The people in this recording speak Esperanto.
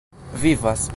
vivas